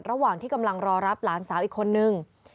ระหว่างที่กำลังรอรับหลานสาวอีกคนนึง